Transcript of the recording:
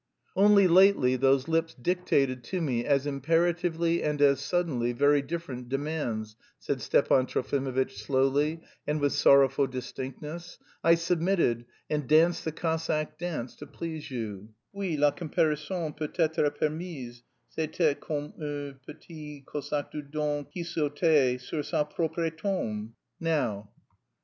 "Only lately those lips dictated to me as imperatively and as suddenly very different demands," said Stepan Trofimovitch slowly and with sorrowful distinctness. "I submitted... and danced the Cossack dance to please you. Oui, la comparaison peut être permise. C'était comme un petit Cosaque du Don qui sautait sur sa propre tombe. Now..."